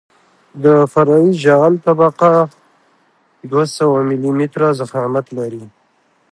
د فرعي جغل طبقه دوه سوه ملي متره ضخامت لري